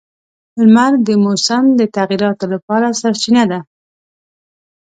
• لمر د موسم تغیراتو لپاره سرچینه ده.